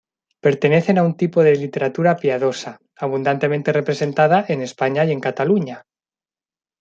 Pertenecen a un tipo de literatura piadosa, abundantemente representada en España y en Cataluña.